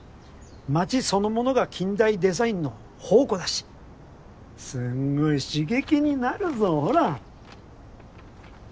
街そのものが近代デザインの宝庫だしすんごい刺激になるぞほら！